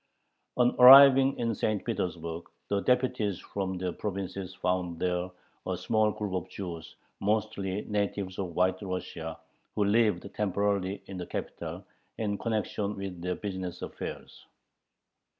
On arriving in St. Petersburg, the deputies from the provinces found there a small group of Jews, mostly natives of White Russia, who lived temporarily in the capital, in connection with their business affairs.